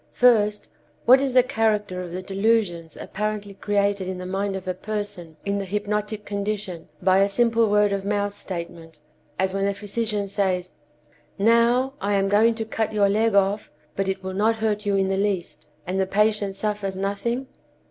First, what is the character of the delusions apparently created in the mind of a person in the hypnotic condition by a simple word of mouth statement, as when a physician says, "Now, I am going to cut your leg off, but it will not hurt you in the least," and the patient suffers nothing?